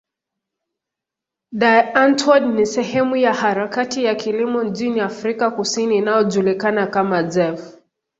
Die Antwoord ni sehemu ya harakati ya kilimo nchini Afrika Kusini inayojulikana kama zef.